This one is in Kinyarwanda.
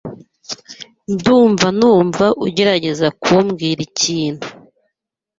Ndumva numva ugerageza kumbwira ikintu.